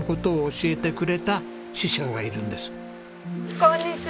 こんにちは。